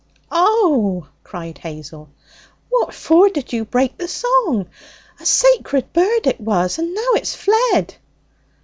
'Oh!' cried Hazel, 'what for did you break the song? A sacred bird, it was. And now it's fled!'